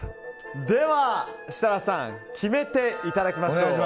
では、設楽さん決めていただきましょう。